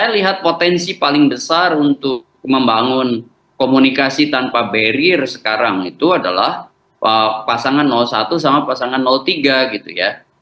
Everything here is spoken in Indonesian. saya lihat potensi paling besar untuk membangun komunikasi tanpa barrier sekarang itu adalah pasangan satu sama pasangan tiga gitu ya